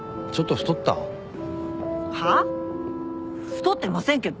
太ってませんけど！